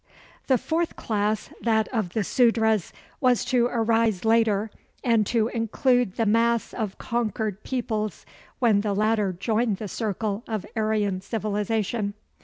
The fourth class, that of the Sudras, was to arise later and to include the mass of conquered peoples when the latter joined the circle of Aryan civilization.